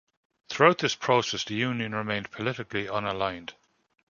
Throughout this process the Union remained politically unaligned.